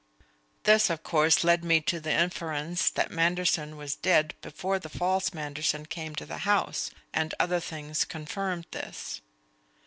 This, of course, led me to the inference that Manderson was dead before the false Manderson came to the house; and other things confirmed this.